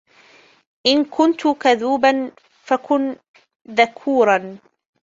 إن كنت كذوباً فكن ذكوراً